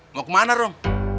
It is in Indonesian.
mau kemana rom